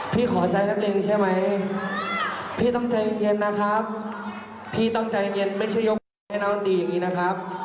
พี่ช่วยกันให้นักเลงดีอย่างนี้นะครับ